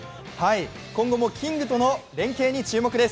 今後もキングとの連係に注目です。